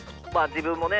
自分もね